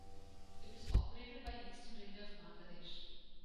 It is operated by Eastern Railway of Bangladesh.